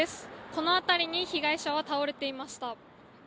この辺りに被害者は倒れていました。